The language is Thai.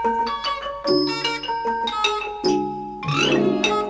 ดงบงคมกลองหนึ่งด้วยเสียงพาดเสียงผินเสียงเลือนเสียงขับ